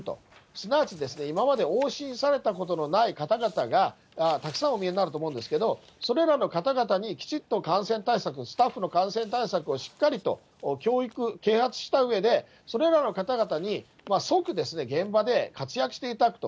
すなわちですね、今まで往診されたことのない方々がたくさんお見えになると思うんですけど、それらの方々に、きちっと感染対策、スタッフの感染対策をしっかりと教育、啓発したうえで、それらの方々に、即、現場で活躍していただくと。